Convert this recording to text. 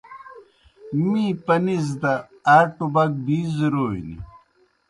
می پنِیز دہ آ ٹُبک بِی زِرونیْ۔